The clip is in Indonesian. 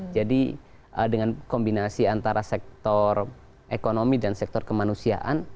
jadi dengan kombinasi antara sektor ekonomi dan sektor kemanusiaan